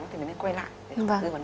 thì bệnh sẽ xuyên giảm